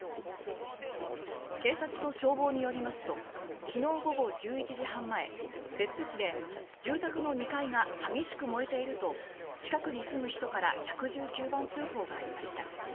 警察と消防によりますと昨日午後１１時半前別府市で「住宅の２階が激しく燃えている」と近くに住む人から１１９番通報がありました。